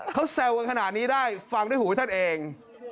เขาแซวกันขนาดนี้ได้ฟังด้วยหูให้ท่านเอง